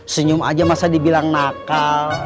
senyum aja masa dibilang nakal